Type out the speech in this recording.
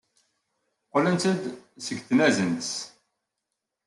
Qqlent-d seg tnazent.